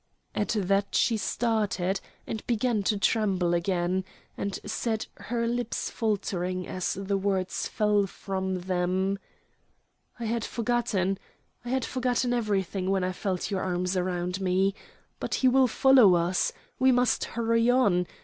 At that she started, and began to tremble again, and said, her lips faltering as the words fell from them: "I had forgotten. I had forgotten everything when I felt your arms around me; but he will follow us. We must hurry on.